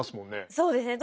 そうですね。